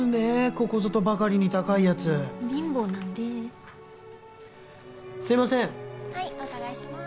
ここぞとばかりに高いやつ貧乏なんですいません・はいお伺いします